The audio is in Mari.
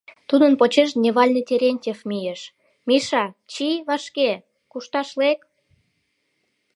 Тудын почеш дневальный Терентьев мийыш», «Миша, чий вашке, кушташ лек!